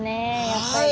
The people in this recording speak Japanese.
やっぱり。